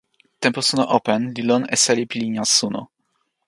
tenpo suno open li lon e seli pi linja suno.